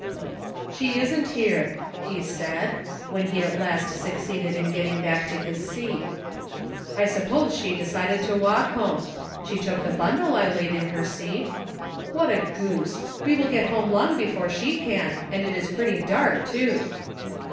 "She isn't here," he said, when he at last succeeded in getting back to his seat. "I sup pose she decided to walk home. She took the bundle I laid in her seat. What a goose ! we will get home long before she can, and it is pretty dark too."